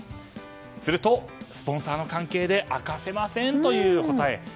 すると、スポンサーの関係で明かせませんという答え。